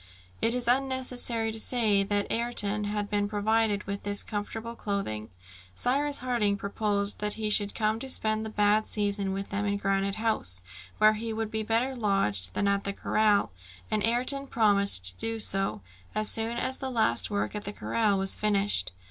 It is unnecessary to say that Ayrton had been provided with this comfortable clothing. Cyrus Harding proposed that he should come to spend the bad season with them in Granite House, where he would be better lodged than at the corral, and Ayrton promised to do so, as soon as the last work at the corral was finished.